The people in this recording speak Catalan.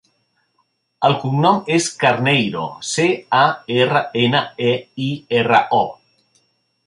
El cognom és Carneiro: ce, a, erra, ena, e, i, erra, o.